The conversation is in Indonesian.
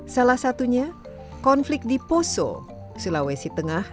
salah satunya konflik di poso sulawesi tengah